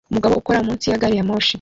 Umugabo ukora munsi ya gari ya moshi